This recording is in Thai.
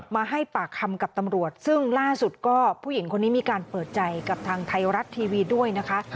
มาให้ปากคำกับตำรวจซึ่งล่าสุดก็ผู้หญิงคนนี้มีการเปิดใจกับทางไทยรัฐทีวีด้วยนะคะ